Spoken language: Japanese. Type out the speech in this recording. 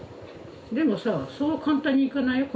でもさそう簡単にいかないよ。